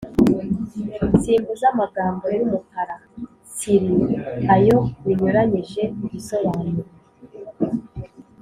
simbuza amagambo yumukara tsiri ayo binyuranyije igisobanuro.